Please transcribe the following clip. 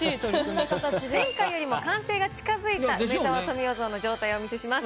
前回よりも完成が近づいた梅沢富美男像の状態をお見せします。